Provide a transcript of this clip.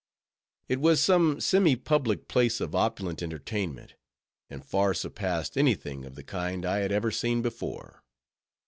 It was some semi public place of opulent entertainment; and far surpassed any thing of the kind I had ever seen before.